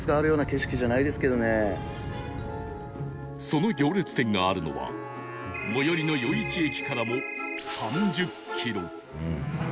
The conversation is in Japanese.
その行列店があるのは最寄りの余市駅からも３０キロ